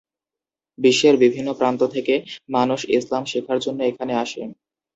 বিশ্বের বিভিন্ন প্রান্ত থেকে মানুষ ইসলাম শেখার জন্য এখানে আসে।